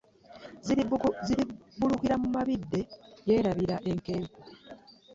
Zirbbuka mu mabidde y'erabidde enkenku .